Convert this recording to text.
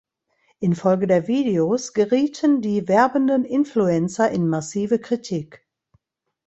Infolge der Videos gerieten die werbenden Influencer in massive Kritik.